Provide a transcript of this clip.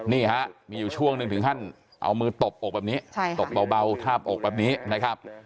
นี่ฮะมีอยู่ช่วงหนึ่งถึงขั้นเอามือตบอกแบบนี้ตบเบาทาบอกแบบนี้นะครับ